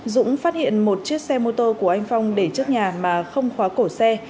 dũng phát hiện một chiếc xe mô tô của anh phong để trước nhà mà không khóa cổ xe